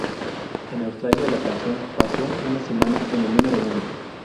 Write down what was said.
En Australia, la canción pasó una semana en el número uno.